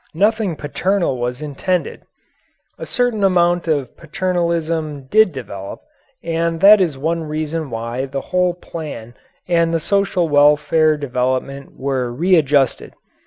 Nothing paternal was intended! a certain amount of paternalism did develop, and that is one reason why the whole plan and the social welfare department were readjusted.